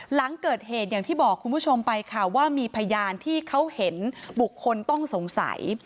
หลังเกิดเหตุอย่างที่บอกคุณผู้ชมไปค่ะว่ามีพยานที่เขาเห็นบุคคลต้องสงสัย